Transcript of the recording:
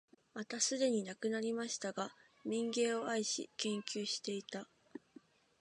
またすでに亡くなりましたが、民藝を愛し、研究していた、